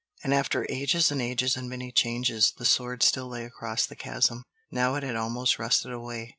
And after ages and ages and many changes, the sword still lay across the chasm. Now it had almost rusted away.